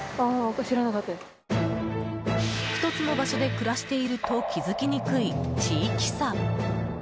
１つの場所で暮らしていると気づきにくい地域差。